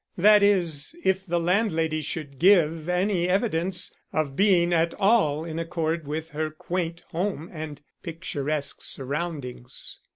That is, if the landlady should give any evidence of being at all in accord with her quaint home and picturesque surroundings.